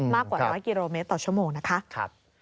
มากกว่า๑๐๐กิโลเมตรต่อชั่วโมงนะคะ